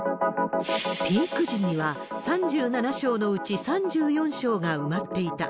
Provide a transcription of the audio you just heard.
ピーク時には、３７床のうち３４床が埋まっていた。